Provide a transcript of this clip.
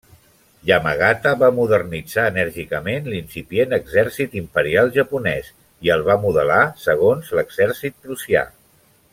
Yamagata va modernitzar enèrgicament l'incipient Exèrcit Imperial Japonès, i el va modelar segons l'exèrcit prussià.